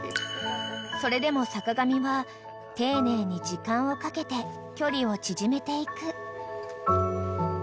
［それでも坂上は丁寧に時間をかけて距離を縮めていく］